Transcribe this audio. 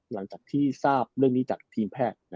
หลังจากที่ทราบเรื่องนี้จากทีมแพทย์